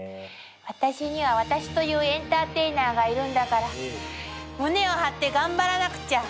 私には私というエンターテイナーがいるんだから胸を張って頑張らなくちゃ！